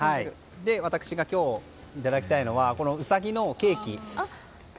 私が今日いただきたいのはウサギのケーキ。